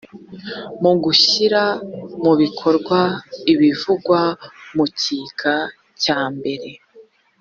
mu gushyira mu bikorwa ibivugwa mu gika cya mbere